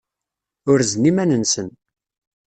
Urzen iman-nsen.